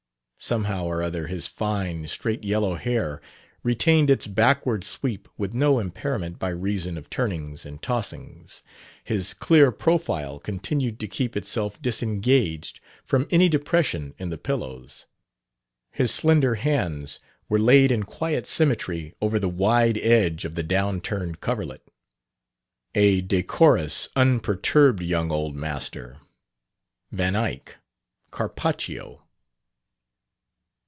Somehow or other his fine, straight yellow hair retained its backward sweep with no impairment by reason of turnings and tossings; his clear profile continued to keep itself disengaged from any depression in the pillows; his slender hands were laid in quiet symmetry over the wide edge of the down turned coverlet. A decorous, unperturbed young old master ... Van Eyck ... Carpaccio....